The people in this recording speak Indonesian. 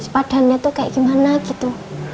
padannya kayak gimana gitu